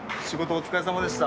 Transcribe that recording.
お疲れさまでした。